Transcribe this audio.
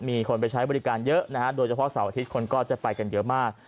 มีคนไปใช้บริการเยอะนะฮะโดยเฉพาะเสาร์อาทิตย์คนก็จะไปกันเยอะมาก